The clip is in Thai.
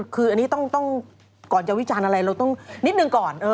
คืออันนี้ต้องก่อนจะวิจารณ์อะไรเราต้องนิดหนึ่งก่อน